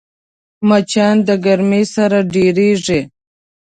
مچان د ګرمۍ سره ډېریږي